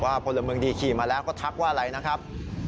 พลเมืองดีขี่มาแล้วก็ทักว่าอะไรนะครับ